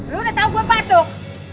lo udah tau gue patok